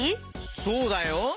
そうだよ。